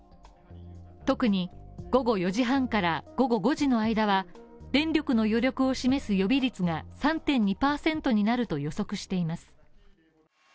特に午後４時半から午後５時の間は電力の余力を示す予備率が３．２％になると予測しています。